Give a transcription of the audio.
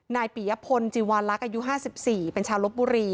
ปียพลจีวาลักษ์อายุ๕๔เป็นชาวลบบุรี